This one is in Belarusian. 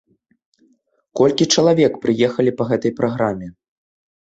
Колькі чалавек прыехалі па гэтай праграме?